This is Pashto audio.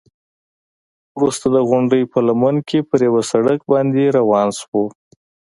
وروسته د غونډۍ په لمن کې پر یوه سړک باندې روان شوو.